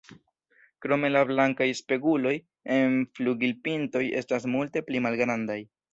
Krome la blankaj “speguloj” en flugilpintoj estas multe pli malgrandaj.